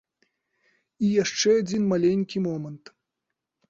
І яшчэ адзін маленькі момант.